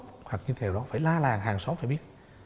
hoặc như thế đó phải la là hàng xóm phải biết